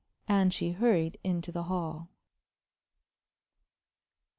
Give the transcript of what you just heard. And she hurried into the hall.